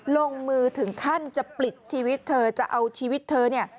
ลงมือถึงขั้นจะปลิดชีวิตเธอจะเอาชีวิตเธอเนี่ย